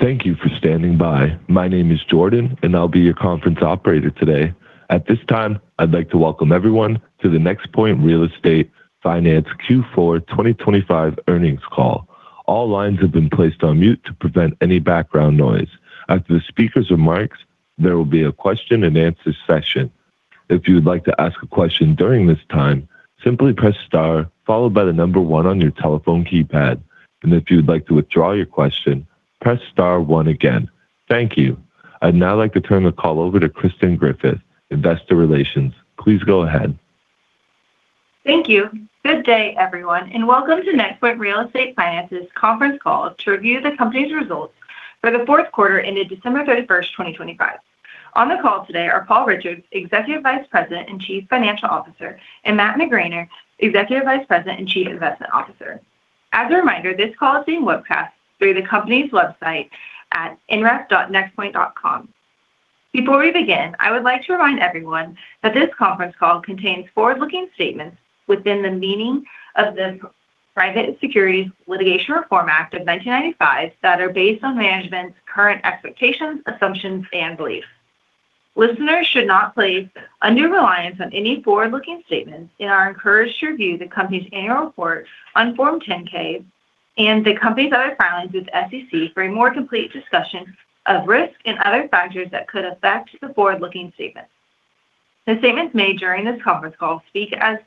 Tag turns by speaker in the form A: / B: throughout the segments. A: Thank you for standing by. My name is Jordan, and I'll be your conference operator today. At this time, I'd like to welcome everyone to the NexPoint Real Estate Finance Q4 2025 earnings call. All lines have been placed on mute to prevent any background noise. After the speaker's remarks, there will be a question-and-answer session. If you would like to ask a question during this time, simply press star followed by the number 1 on your telephone keypad. If you'd like to withdraw your question, press star 1 again. Thank you. I'd now like to turn the call over to Kristen Griffith, Investor Relations. Please go ahead.
B: Thank you. Good day, everyone, welcome to NexPoint Real Estate Finance's conference call to review the company's results for the fourth quarter ended December 31, 2025. On the call today are Paul Richards, Executive Vice President and Chief Financial Officer, and Matt McGraner, Executive Vice President and Chief Investment Officer. As a reminder, this call is being webcast through the company's website at nref.nexpoint.com. Before we begin, I would like to remind everyone that this conference call contains forward-looking statements within the meaning of the Private Securities Litigation Reform Act of 1995 that are based on management's current expectations, assumptions, and beliefs. Listeners should not place undue reliance on any forward-looking statements and are encouraged to review the company's annual report on Form 10-K and the company's other filings with the SEC for a more complete discussion of risks and other factors that could affect the forward-looking statements. The statements made during this conference call speak as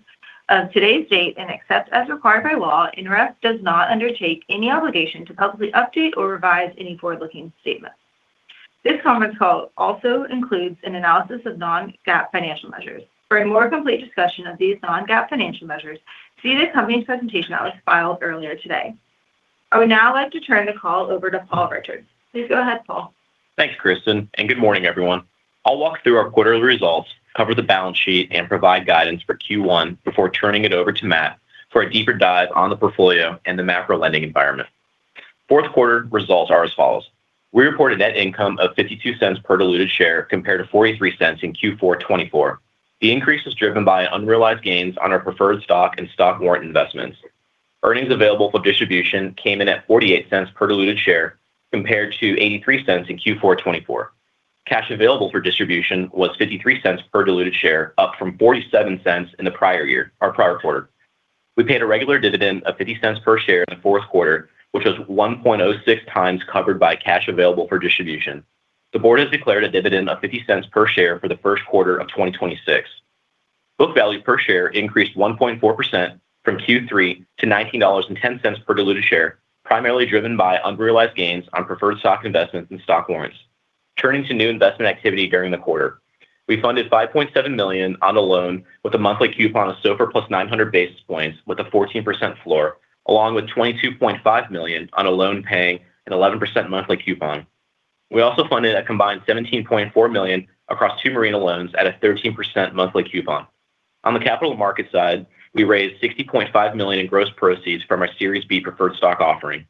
B: of today's date, and except as required by law, NREF does not undertake any obligation to publicly update or revise any forward-looking statements. This conference call also includes an analysis of non-GAAP financial measures. For a more complete discussion of these non-GAAP financial measures, see the company's presentation that was filed earlier today. I would now like to turn the call over to Paul Richards. Please go ahead, Paul.
C: Thanks, Kristen. Good morning, everyone. I'll walk through our quarterly results, cover the balance sheet, and provide guidance for Q1 before turning it over to Matt for a deeper dive on the portfolio and the macro lending environment. Fourth quarter results are as follows: We reported net income of $0.52 per diluted share, compared to $0.43 in Q4 2024. The increase is driven by unrealized gains on our preferred stock and stock warrant investments. Earnings available for distribution came in at $0.48 per diluted share, compared to $0.83 in Q4 2024. Cash available for distribution was $0.53 per diluted share, up from $0.47 in the prior year or prior quarter. We paid a regular dividend of $0.50 per share in the fourth quarter, which was 1.06 times covered by cash available for distribution. The board has declared a dividend of $0.50 per share for Q1 2026. Book value per share increased 1.4% from Q3 to $19.10 per diluted share, primarily driven by unrealized gains on preferred stock investments and stock warrants. Turning to new investment activity during the quarter. We funded $5.7 million on a loan with a monthly coupon of SOFR plus 900 basis points, with a 14% floor, along with $22.5 million on a loan paying an 11% monthly coupon. We also funded a combined $17.4 million across two marina loans at a 13% monthly coupon. On the capital market side, we raised $60.5 million in gross proceeds from our Series B preferred stock offering.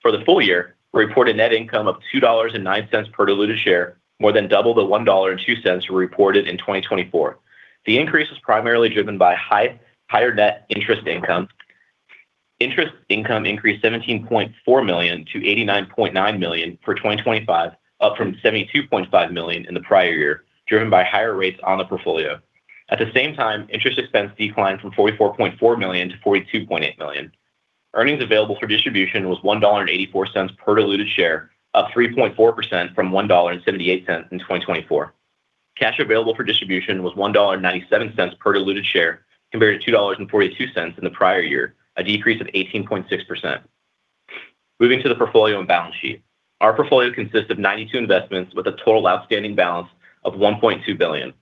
C: For the full year, we reported net income of $2.09 per diluted share, more than double the $1.02 we reported in 2024. The increase was primarily driven by higher net interest income. Interest income increased $17.4 million to $89.9 million for 2025, up from $72.5 million in the prior year, driven by higher rates on the portfolio. At the same time, interest expense declined from $44.4 million to $42.8 million. Earnings available for distribution was $1.84 per diluted share, up 3.4% from $1.78 in 2024. Cash available for distribution was $1.97 per diluted share, compared to $2.42 in the prior year, a decrease of 18.6%. Moving to the portfolio and balance sheet. Our portfolio consists of 92 investments with a total outstanding balance of $1.2 billion.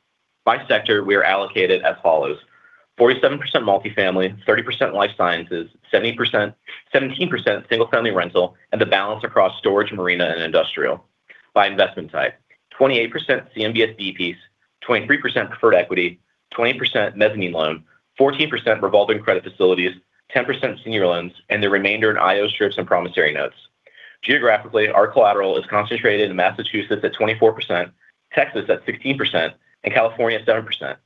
C: By sector, we are allocated as follows: 47% multifamily, 30% life sciences, 17% single-family rental, and the balance across storage, marina, and industrial. By investment type, 28% CMBS B-Pieces, 23% preferred equity, 20% mezzanine loan, 14% revolving credit facilities, 10% senior loans, and the remainder in IO strips and promissory notes. Geographically, our collateral is concentrated in Massachusetts at 24%, Texas at 16%, and California at 7%,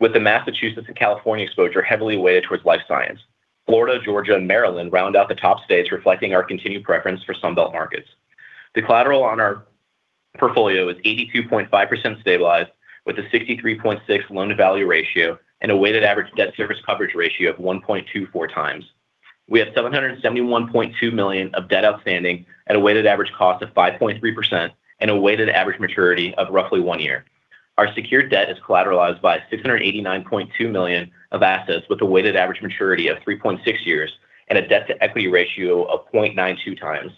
C: with the Massachusetts and California exposure heavily weighted towards life science. Florida, Georgia, and Maryland round out the top states, reflecting our continued preference for Sun Belt markets. The collateral on our portfolio is 82.5% stabilized, with a 63.6 loan-to-value ratio and a weighted average debt service coverage ratio of 1.24 times. We have $771.2 million of debt outstanding at a weighted average cost of 5.3% and a weighted average maturity of roughly one year. Our secured debt is collateralized by $689.2 million of assets, with a weighted average maturity of 3.6 years and a debt-to-equity ratio of 0.92 times.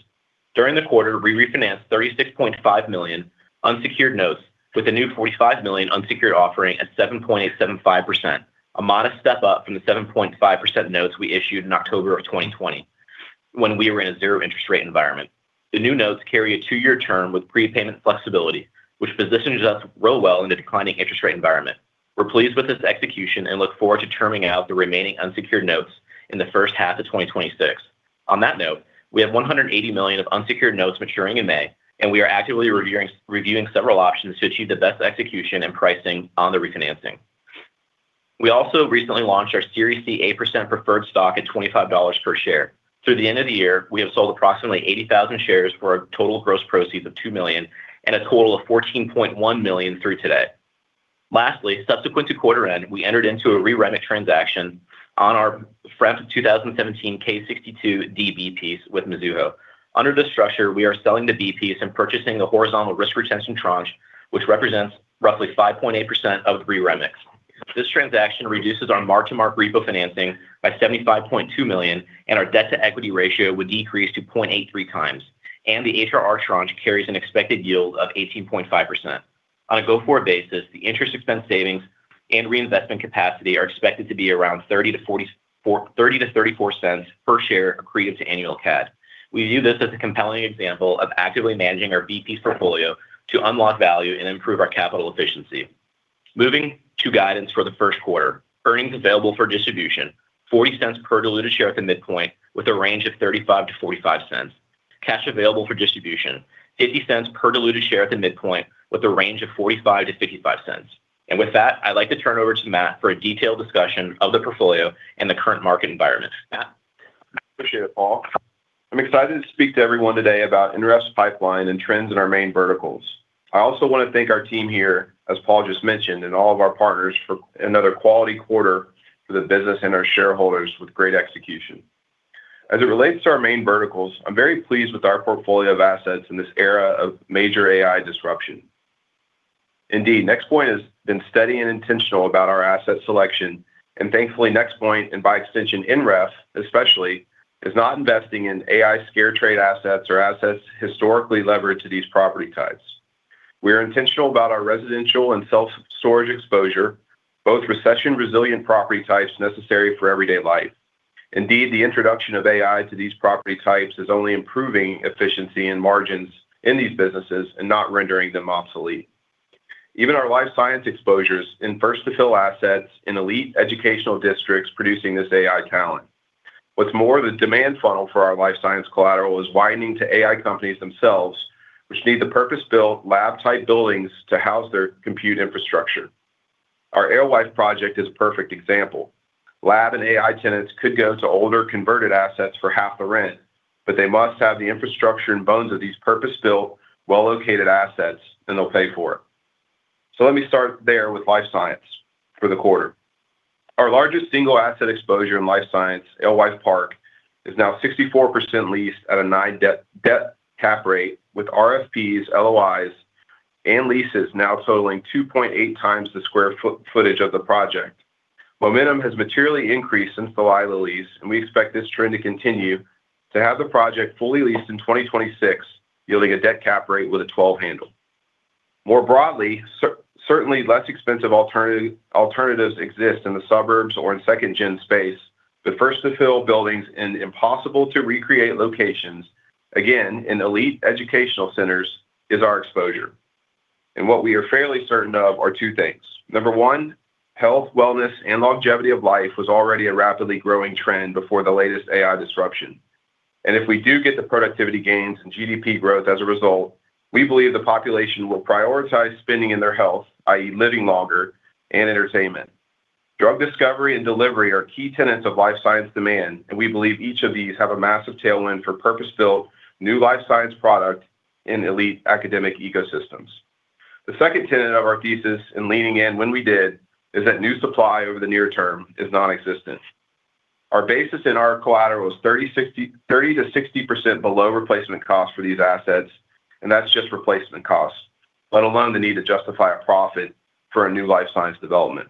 C: During the quarter, we refinanced $36.5 million unsecured notes with a new $45 million unsecured offering at 7.875%, a modest step up from the 7.5% notes we issued in October 2020, when we were in a zero interest rate environment. The new notes carry a two-year term with prepayment flexibility, which positions us real well in the declining interest rate environment. We're pleased with this execution and look forward to terming out the remaining unsecured notes in the first half of 2026. On that note, we have $180 million of unsecured notes maturing in May, and we are actively reviewing several options to achieve the best execution and pricing on the refinancing. We also recently launched our Series C 8% preferred stock at $25 per share. Through the end of the year, we have sold approximately 80,000 shares for a total gross proceeds of $2 million and a total of $14.1 million through today. Lastly, subsequent to quarter end, we entered into a re-REMIC transaction on our FREMF 2017-K62 B-Pieces with Mizuho. Under this structure, we are selling the B-Pieces and purchasing a horizontal risk retention tranche, which represents roughly 5.8% of re-REMICs. This transaction reduces our mark-to-market repo financing by $75.2 million. Our debt-to-equity ratio would decrease to 0.83 times. The HRR tranche carries an expected yield of 18.5%. On a go-forward basis, the interest expense savings and reinvestment capacity are expected to be around $0.30-$0.34 per share accretive to annual CAD. We view this as a compelling example of actively managing our B-Pieces portfolio to unlock value and improve our capital efficiency. Moving to guidance for the first quarter. Earnings available for distribution: $0.40 per diluted share at the midpoint, with a range of $0.35-$0.45. Cash available for distribution: $0.50 per diluted share at the midpoint, with a range of $0.45-$0.55. With that, I'd like to turn it over to Matt for a detailed discussion of the portfolio and the current market environment. Matt?
D: I appreciate it, Paul. I'm excited to speak to everyone today about NREF's pipeline and trends in our main verticals. I also want to thank our team here, as Paul just mentioned, and all of our partners for another quality quarter for the business and our shareholders with great execution. As it relates to our main verticals, I'm very pleased with our portfolio of assets in this era of major AI disruption. Indeed, NexPoint has been steady and intentional about our asset selection, and thankfully, NexPoint, and by extension, NREF, especially, is not investing in AI scare trade assets or assets historically levered to these property types. We are intentional about our residential and self-storage exposure, both recession-resilient property types necessary for everyday life. Indeed, the introduction of AI to these property types is only improving efficiency and margins in these businesses and not rendering them obsolete. Even our life science exposures in first to fill assets in elite educational districts producing this AI talent. What's more, the demand funnel for our life science collateral is widening to AI companies themselves, which need the purpose-built lab-type buildings to house their compute infrastructure. Our Alewife project is a perfect example. Lab and AI tenants could go to older converted assets for half the rent, but they must have the infrastructure and bones of these purpose-built, well-located assets, and they'll pay for it. Let me start there with life science for the quarter. Our largest single asset exposure in life science, Alewife Park, is now 64% leased at a 9 debt cap rate, with RFPs, LOIs, and leases now totaling 2.8 times the square foot-footage of the project. Momentum has materially increased since the Lila lease, we expect this trend to continue to have the project fully leased in 2026, yielding a debt cap rate with a 12 handle. More broadly, certainly less expensive alternatives exist in the suburbs or in second-gen space, first to fill buildings and impossible to recreate locations, again, in elite educational centers is our exposure. What we are fairly certain of are two things: number 1, health, wellness, and longevity of life was already a rapidly growing trend before the latest AI disruption. If we do get the productivity gains and GDP growth as a result, we believe the population will prioritize spending in their health, i.e., living longer and entertainment. Drug discovery and delivery are key tenets of life science demand. We believe each of these have a massive tailwind for purpose-built, new life science product in elite academic ecosystems. The second tenet of our thesis in leaning in when we did, is that new supply over the near term is non-existent. Our basis in our collateral is 30%-60% below replacement cost for these assets, and that's just replacement costs, let alone the need to justify a profit for a new life science development.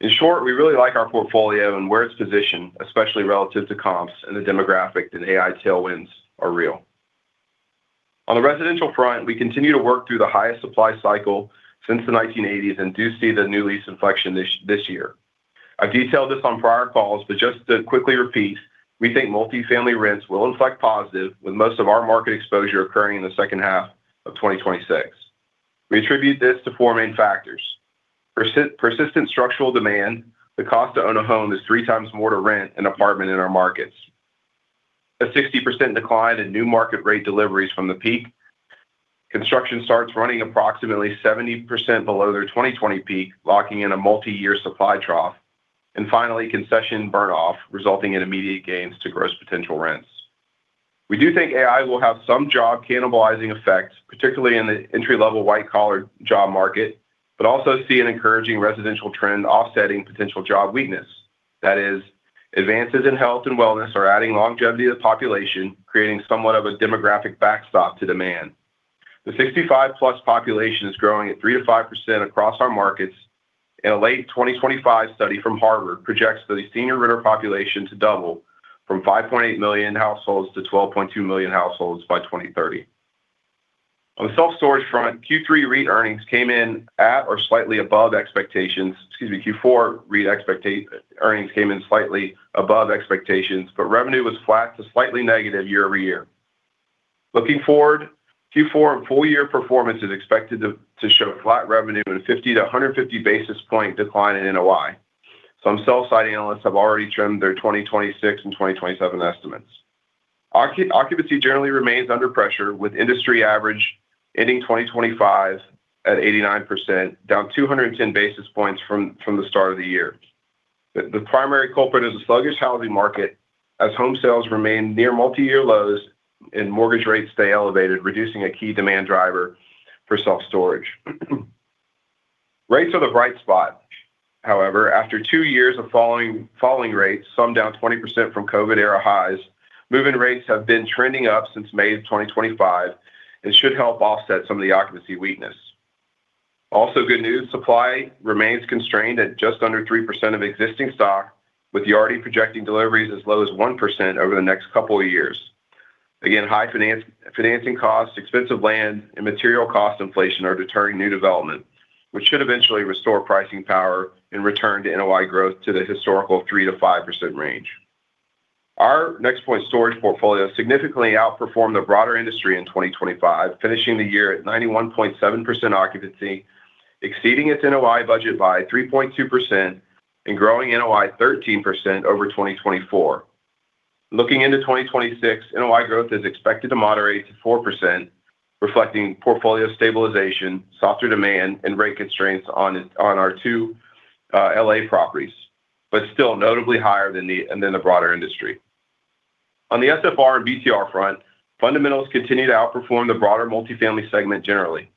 D: In short, we really like our portfolio and where it's positioned, especially relative to comps and the demographic that AI tailwinds are real. On the residential front, we continue to work through the highest supply cycle since the 1980s and do see the new lease inflection this year. I've detailed this on prior calls, but just to quickly repeat, we think multifamily rents will inflect positive, with most of our market exposure occurring in the second half of 2026. We attribute this to four main factors: persistent structural demand, the cost to own a home is 3 times more to rent an apartment in our markets. A 60% decline in new market rate deliveries from the peak. Construction starts running approximately 70% below their 2020 peak, locking in a multi-year supply trough. Finally, concession burn off, resulting in immediate gains to gross potential rents. We do think AI will have some job cannibalizing effects, particularly in the entry-level white-collar job market, but also see an encouraging residential trend offsetting potential job weakness. That is, advances in health and wellness are adding longevity to the population, creating somewhat of a demographic backstop to demand. The 65+ population is growing at 3%-5% across our markets. A late 2025 study from Harvard projects the senior renter population to double from 5.8 million households to 12.2 million households by 2030. On the self-storage front, Q3 REIT earnings came in at or slightly above expectations. Excuse me, Q4 REIT earnings came in slightly above expectations, but revenue was flat to slightly negative year-over-year. Looking forward, Q4 and full year performance is expected to show flat revenue and a 50-150 basis point decline in NOI. Some sell-side analysts have already trimmed their 2026 and 2027 estimates. Occupancy generally remains under pressure, with industry average ending 2025 at 89%, down 210 basis points from the start of the year. The primary culprit is a sluggish housing market, as home sales remain near multi-year lows and mortgage rates stay elevated, reducing a key demand driver for self-storage. Rates are the bright spot. However, after two years of falling rates, some down 20% from COVID era highs, move-in rates have been trending up since May of 2025 and should help offset some of the occupancy weakness. Good news, supply remains constrained at just under 3% of existing stock, with the already projecting deliveries as low as 1% over the next couple of years. High financing costs, expensive land, and material cost inflation are deterring new development, which should eventually restore pricing power and return to NOI growth to the historical 3%-5% range. Our NexPoint storage portfolio significantly outperformed the broader industry in 2025, finishing the year at 91.7% occupancy, exceeding its NOI budget by 3.2% and growing NOI 13% over 2024. Looking into 2026, NOI growth is expected to moderate to 4%, reflecting portfolio stabilization, softer demand, and rate constraints on our two L.A. properties, but still notably higher than the broader industry. On the SFR and BTR front, fundamentals continue to outperform the broader multifamily segment generally.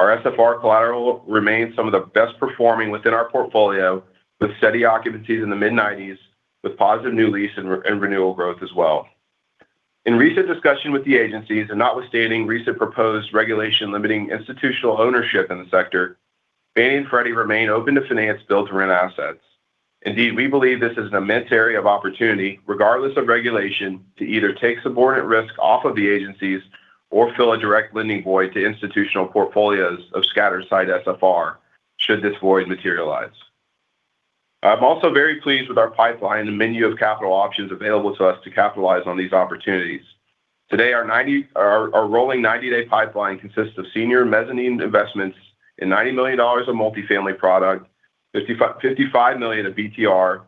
D: Our SFR collateral remains some of the best performing within our portfolio, with steady occupancies in the mid-nineties, with positive new lease and renewal growth as well. In recent discussion with the agencies, and notwithstanding recent proposed regulation limiting institutional ownership in the sector, Fannie and Freddie remain open to finance build-to-rent assets. Indeed, we believe this is an immense area of opportunity, regardless of regulation, to either take subordinate risk off of the agencies or fill a direct lending void to institutional portfolios of scattered site SFR, should this void materialize. I'm also very pleased with our pipeline and the menu of capital options available to us to capitalize on these opportunities. Today, our rolling 90-day pipeline consists of senior mezzanine investments in $90 million of multifamily product, $55 million of BTR,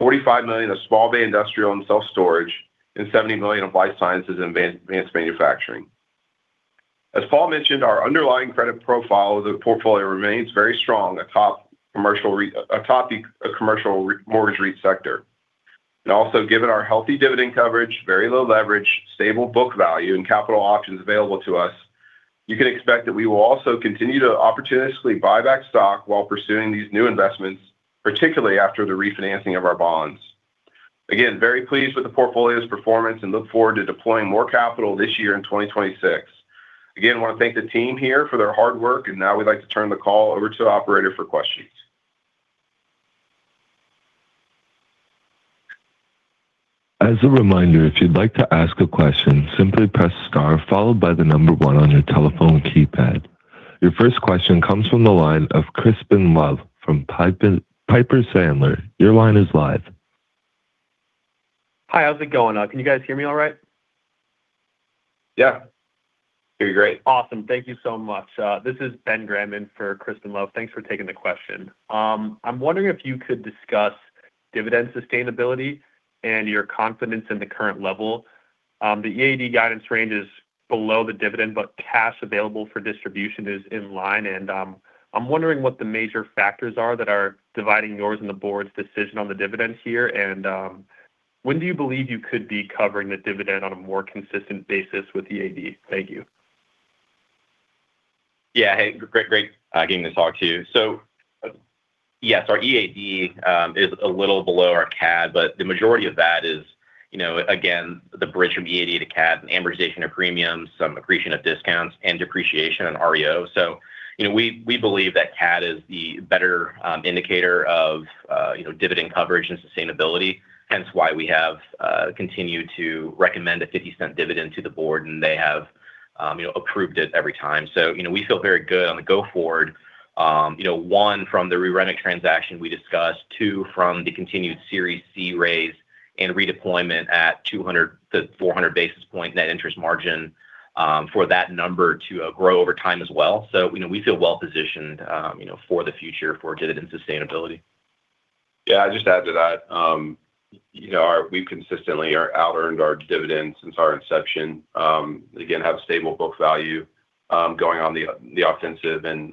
D: $45 million of small bay industrial and self-storage, and $70 million of life sciences and advanced manufacturing. As Paul mentioned, our underlying credit profile of the portfolio remains very strong, atop the commercial mortgage REIT sector. Also, given our healthy dividend coverage, very low leverage, stable book value, and capital options available to us, you can expect that we will also continue to opportunistically buy back stock while pursuing these new investments, particularly after the refinancing of our bonds. Very pleased with the portfolio's performance and look forward to deploying more capital this year in 2026. Want to thank the team here for their hard work. Now we'd like to turn the call over to the operator for questions.
A: As a reminder, if you'd like to ask a question, simply press star followed by the 1 on your telephone keypad. Your first question comes from the line of Crispin Love from Piper Sandler. Your line is live.
E: Hi, how's it going? Can you guys hear me all right?
D: Yeah.
C: Hear you great.
E: Awesome. Thank you so much. This is Ben Graham for Crispin Love. Thanks for taking the question. I'm wondering if you could discuss dividend sustainability and your confidence in the current level. The EAD guidance range is below the dividend, but cash available for distribution is in line. I'm wondering what the major factors are that are dividing yours and the board's decision on the dividend here, and, when do you believe you could be covering the dividend on a more consistent basis with EAD? Thank you.
C: Yeah. Hey, great getting to talk to you. Yes, our EAD is a little below our CAD, but the majority of that is, you know, again, the bridge from EAD to CAD, amortization of premiums, some accretion of discounts, and depreciation on REO. You know, we believe that CAD is the better indicator of, you know, dividend coverage and sustainability, hence why we have continued to recommend a $0.50 dividend to the board, and they have, you know, approved it every time. You know, we feel very good on the go forward, you know, one, from the re-REMIC transaction we discussed, two, from the continued Series C raise and redeployment at 200 to 400 basis point net interest margin for that number to grow over time as well. You know, we feel well positioned, you know, for the future for dividend sustainability.
D: I'd just add to that, you know, we've consistently outearned our dividend since our inception. Again, have stable book value, going on the offensive and,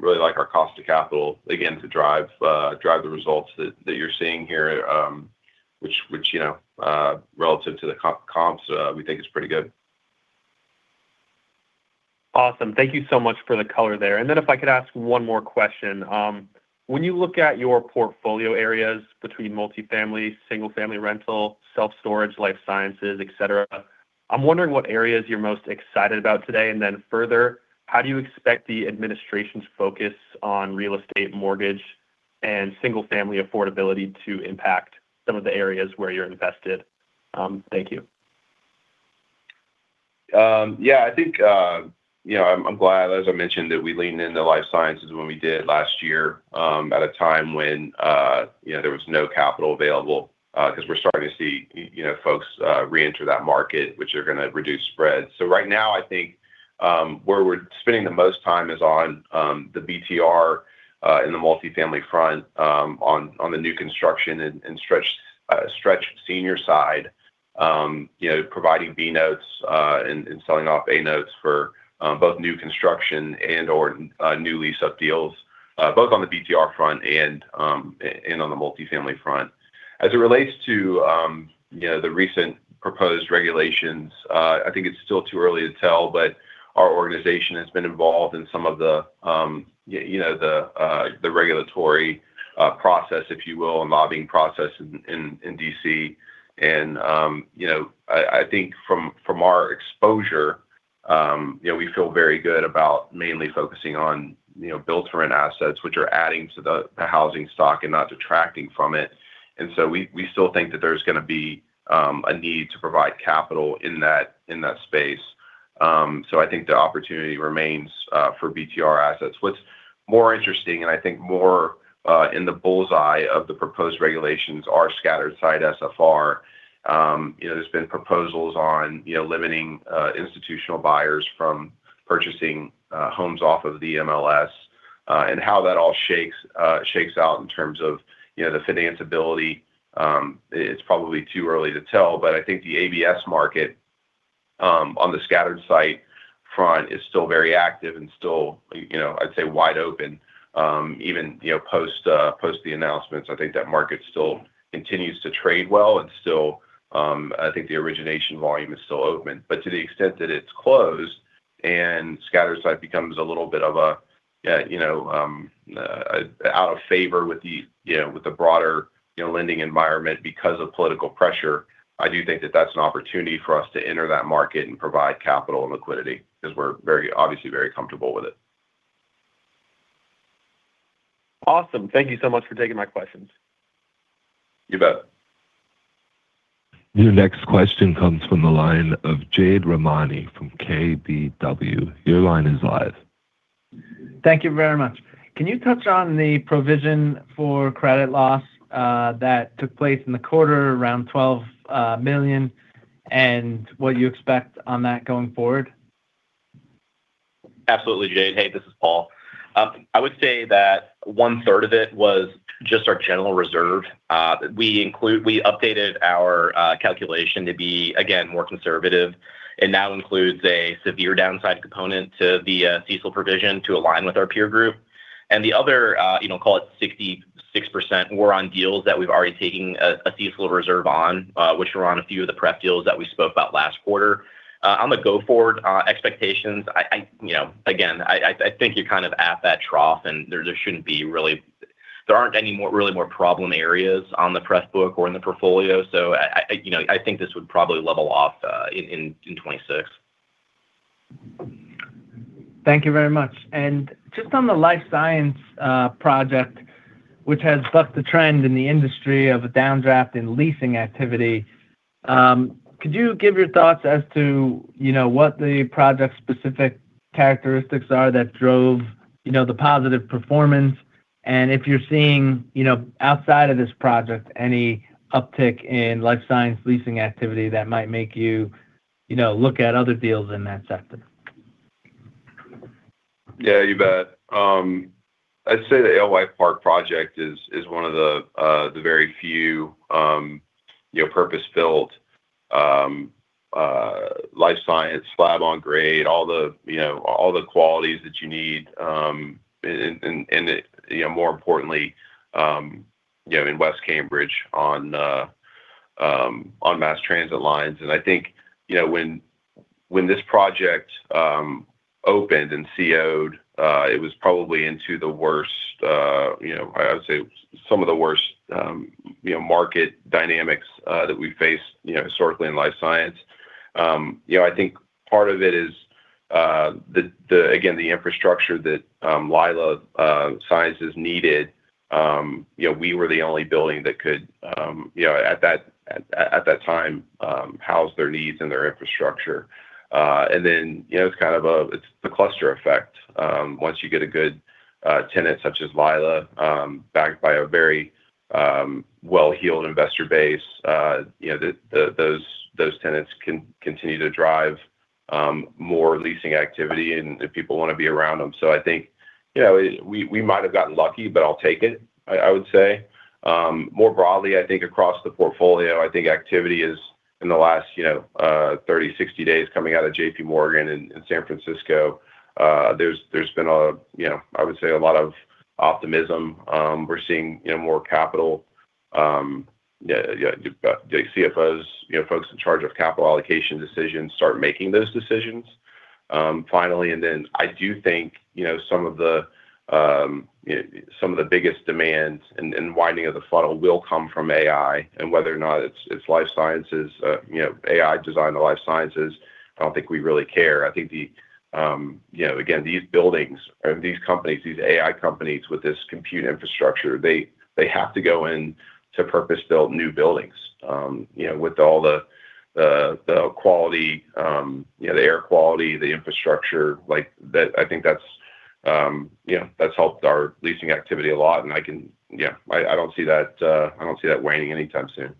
D: really like our cost to capital, again, to drive the results that you're seeing here, which, you know, relative to the comps, we think is pretty good.
E: Awesome. Thank you so much for the color there. If I could ask one more question. When you look at your portfolio areas between multifamily, single family rental, self-storage, life sciences, et cetera, I'm wondering what areas you're most excited about today. Further, how do you expect the administration's focus on real estate mortgage and single-family affordability to impact some of the areas where you're invested? Thank you.
D: Yeah, I think, you know, I'm glad, as I mentioned, that we leaned into life sciences when we did last year, at a time when, you know, there was no capital available, 'cause we're starting to see, you know, folks reenter that market, which are gonna reduce spreads. Right now, where we're spending the most time is on the BTR in the multifamily front, on the new construction and stretch senior side. You know, providing B notes and selling off A notes for both new construction and or new lease-up deals, both on the BTR front and on the multifamily front. As it relates to, you know, the recent proposed regulations, I think it's still too early to tell, but our organization has been involved in some of the, you know, the regulatory process, if you will, and lobbying process in, in D.C. You know, I think from our exposure, you know, we feel very good about mainly focusing on, you know, build-to-rent assets, which are adding to the housing stock and not detracting from it. We still think that there's gonna be a need to provide capital in that, in that space. I think the opportunity remains for BTR assets. What's more interesting, and I think more in the bull's eye of the proposed regulations are scattered site SFR. You know, there's been proposals on, you know, limiting institutional buyers from purchasing homes off of the MLS, and how that all shakes out in terms of, you know, the financeability, it's probably too early to tell. I think the ABS market on the scattered site front is still very active and still, you know, I'd say wide open. Even, you know, post the announcements, I think that market still continues to trade well, and still, I think the origination volume is still open. To the extent that it's closed and scattered site becomes a little bit of a, you know, out of favor with the, you know, with the broader, you know, lending environment because of political pressure, I do think that that's an opportunity for us to enter that market and provide capital and liquidity because we're very, obviously very comfortable with it.
E: Awesome. Thank you so much for taking my questions.
D: You bet.
A: Your next question comes from the line of Jade Rahmani from KBW. Your line is live.
F: Thank you very much. Can you touch on the provision for credit loss, that took place in the quarter, around $12 million, and what you expect on that going forward?
C: Absolutely, Jade. Hey, this is Paul. I would say that one-third of it was just our general reserve. We updated our calculation to be, again, more conservative, and that includes a severe downside component to the CECL provision to align with our peer group. The other, you know, call it 66%, we're on deals that we've already taken a CECL reserve on, which were on a few of the pref deals that we spoke about last quarter. On the go-forward expectations, I, you know, again, I think you're kind of at that trough, and there shouldn't be really. There aren't any more, really more problem areas on the press book or in the portfolio. I, you know, I think this would probably level off in 2026.
F: Thank you very much. Just on the life science project, which has bucked the trend in the industry of a downdraft in leasing activity, could you give your thoughts as to, you know, what the project-specific characteristics are that drove, you know, the positive performance, and if you're seeing, you know, outside of this project, any uptick in life science leasing activity that might make you know, look at other deals in that sector?
D: Yeah, you bet. I'd say the Alewife Park project is one of the very few, you know, purpose-built, life science, slab-on-grade, all the, you know, all the qualities that you need, and, you know, more importantly, you know, in West Cambridge on mass transit lines. I think, you know, when this project opened and CO'd, it was probably into the worst, you know, I would say some of the worst, you know, market dynamics that we faced, you know, historically in life science. You know, I think part of it is the again, the infrastructure that Lila +Co. needed, you know, we were the only building that could, you know, at that time, house their needs and their infrastructure. You know, it's kind of a, it's the cluster effect. Once you get a good tenant such as Lila, backed by a very well-heeled investor base, you know, the those tenants can continue to drive more leasing activity, and the people want to be around them. I think, you know, we might have gotten lucky, but I'll take it, I would say. More broadly, I think across the portfolio, I think activity is in the last, you know, 30, 60 days, coming out of JP Morgan in San Francisco, there's been a, you know, I would say, a lot of optimism. We're seeing, you know, more capital, the CFOs, you know, folks in charge of capital allocation decisions start making those decisions, finally. I do think, you know, some of the biggest demands and widening of the funnel will come from AI, and whether or not it's life sciences, you know, AI designed the life sciences, I don't think we really care. I think the, you know, again, these buildings or these companies, these AI companies with this compute infrastructure, they have to go in to purpose-built new buildings, you know, with all the quality, you know, the air quality, the infrastructure, like, that. I think that's, you know, that's helped our leasing activity a lot, and I can. Yeah, I don't see that, I don't see that waning anytime soon.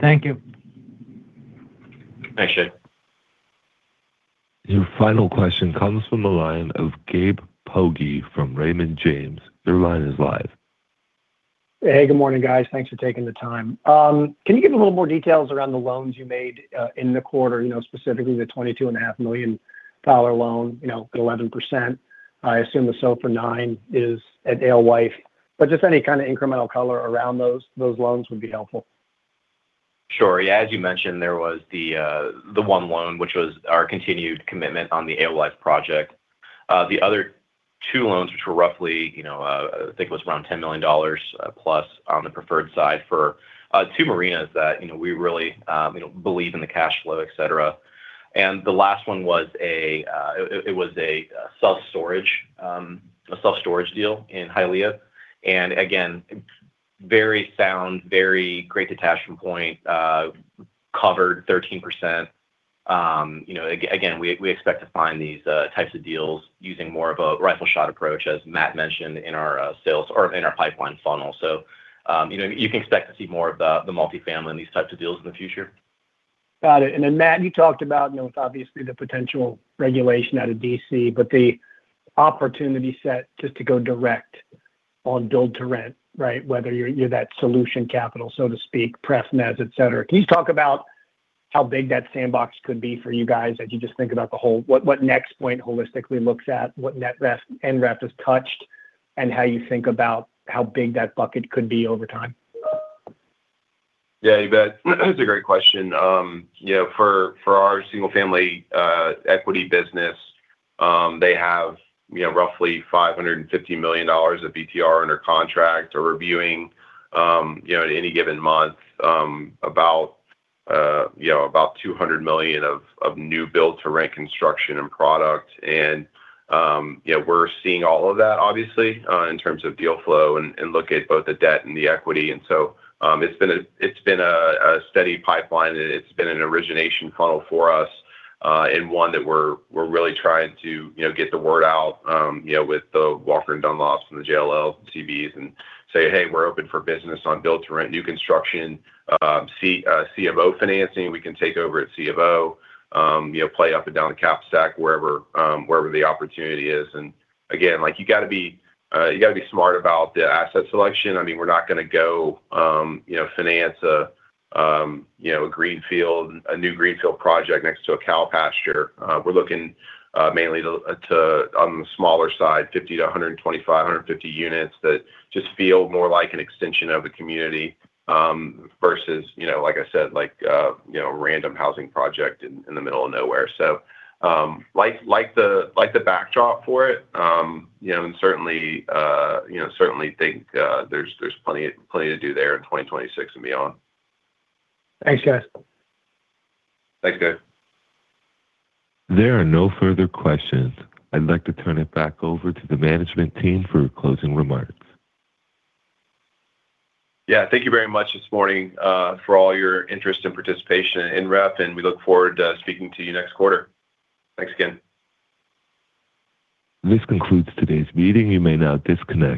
F: Thank you.
C: Thanks, Gabe.
A: Your final question comes from the line of Gabe Poggi from Raymond James. Your line is live.
G: Hey, good morning, guys. Thanks for taking the time. Can you give a little more details around the loans you made in the quarter? You know, specifically the 22 and a half million dollar loan, you know, at 11%. I assume the SOFR 9 is at Alewife. Just any kind of incremental color around those loans would be helpful.
C: Sure. Yeah, as you mentioned, there was the one loan, which was our continued commitment on the Alewife project. The other two loans, which were roughly, you know, I think it was around $10+ million on the preferred side for two marinas that, you know, we really believe in the cash flow, et cetera. The last one was a self-storage deal in Hialeah. Again, very sound, very great detachment point, covered 13%. You know, again, we expect to find these types of deals using more of a rifle shot approach, as Matt mentioned in our sales or in our pipeline funnel. You know, you can expect to see more of the multifamily and these types of deals in the future.
G: Got it. Matt, you talked about, you know, obviously the potential regulation out of D.C., but the opportunity set just to go direct on build-to-rent, right? Whether you're that solution capital, so to speak, prefs, et cetera. Can you talk about how big that sandbox could be for you guys as you just think about what NexPoint holistically looks at, what NREF has touched, and how you think about how big that bucket could be over time?
D: Yeah, you bet. That's a great question. you know, for our single family equity business, they have, you know, roughly $550 million of BTR under contract or reviewing, you know, at any given month, about, you know, about $200 million of new Build-to-Rent construction and product. you know, we're seeing all of that, obviously, in terms of deal flow and look at both the debt and the equity. it's been a steady pipeline, and it's been an origination funnel for us, and one that we're really trying to, you know, get the word out, you know, with the Walker & Dunlop and the JLL TVs and say: "Hey, we're open for business on Build-to-Rent, new construction, C, CFO financing. We can take over at CFO, you know, play up and down the cap stack, wherever the opportunity is. Again, like, you gotta be, you gotta be smart about the asset selection. I mean, we're not gonna go, you know, finance a, you know, a greenfield, a new greenfield project next to a cow pasture. We're looking mainly to on the smaller side, 50 to 125, 150 units that just feel more like an extension of the community, versus, you know, like I said, like, you know, random housing project in the middle of nowhere. Like the backdrop for it, you know, and certainly, you know, certainly think there's plenty to do there in 2026 and beyond.
G: Thanks, guys.
D: Thanks, guys.
A: There are no further questions. I'd like to turn it back over to the management team for closing remarks.
C: Yeah, thank you very much this morning, for all your interest and participation in NREF, and we look forward to speaking to you next quarter. Thanks again.
A: This concludes today's meeting. You may now disconnect.